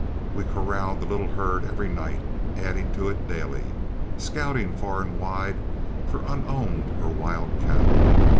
We corralled the little herd every night, adding to it daily, scouting far and wide for unowned or wild cattle.